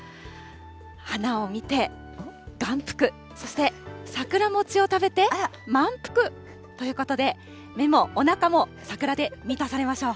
花を見て、眼福、そして桜餅を食べて満腹ということで、目もおなかも桜で満たされましょう。